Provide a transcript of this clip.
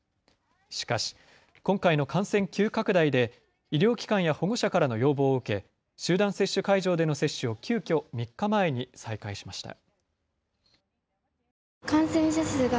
しかし今回の感染急拡大で医療機関や保護者からの要望を受け集団接種会場での接種を急きょ、３日前に再開しました。